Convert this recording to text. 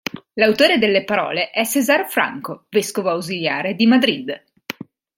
L'autore delle parole è César Franco, vescovo ausiliare di Madrid.